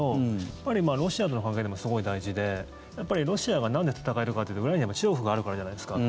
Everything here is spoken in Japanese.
やっぱりロシアとの関係もすごい大事でロシアがなんで戦えるかというと裏に中国があるからじゃないですか。